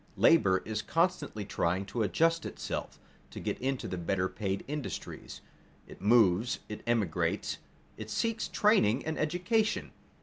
Labor is constantly trying to adjust itself, to get into the better paid industries. It moves, it emigrates, it seeks training and education.